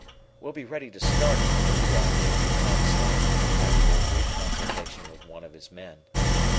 "We'll be ready to start in a little while," Tom said, after a brief consultation with one of his men.